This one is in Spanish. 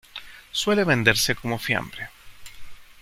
Suele venderse como fiambre.